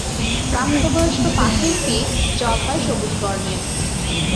প্রাপ্ত বয়স্ক পাখির পিঠ জলপাই-সবুজ বর্ণের।